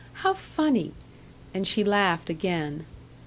How funny!" and she laughed again.